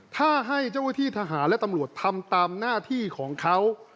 ถ้าให้เจ้าหน้าที่ทหารและตำรวจทำตามหน้าที่ของเขา